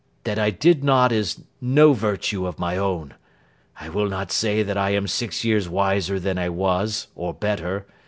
That I did not, is no virtue of my own. I will not say that I am six years wiser than I was, or better.